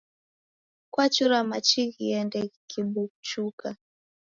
Kwachura machi ghiende ghikibuchuka?